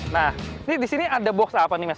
nah disini ada box apa nih mas